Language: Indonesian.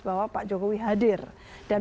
bahwa pak jokowi hadir dan